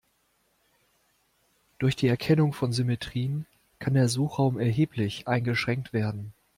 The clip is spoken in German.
Durch die Erkennung von Symmetrien kann der Suchraum erheblich eingeschränkt werden.